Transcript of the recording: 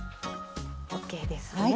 ＯＫですね。